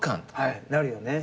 なるよね。